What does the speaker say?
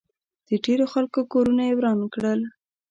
د ډېرو خلکو کورونه ئې هم وران کړل